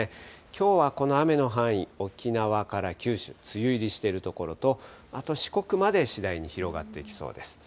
きょうはこの雨の範囲、沖縄から九州、梅雨入りしている所と、あと四国まで次第に広がってきそうです。